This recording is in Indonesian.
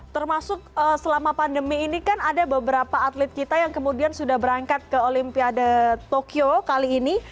termasuk selama pandemi ini kan ada beberapa atlet kita yang kemudian sudah berangkat ke olimpiade tokyo kali ini